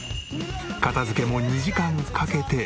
片付けも２時間かけて全て終了。